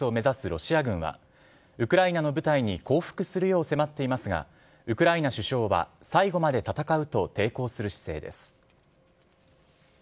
ロシア軍は、ウクライナの部隊に降伏するよう迫っていますが、ウクライナ首相は最後まで戦うと抵抗する姿勢です。